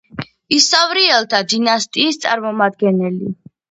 ისავრიელთა დინასტიის წარმომადგენელი.